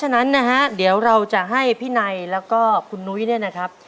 นี่จริงเลยครับ